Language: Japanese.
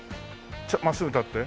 真っすぐ立って。